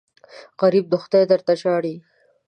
غریب د خدای در ته ژاړي